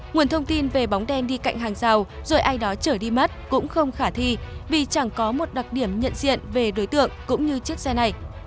nguồn thông tin về bóng đen đi cạnh hàng rào rồi ai đó chở đi mất cũng không khả thi vì chẳng có một đặc điểm nhận diện về đối tượng cũng như chiếc xe này